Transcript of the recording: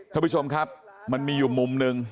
ท่านผู้ชมครับมันมีอยู่มุมหนึ่ง